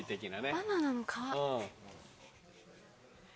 バナナの皮。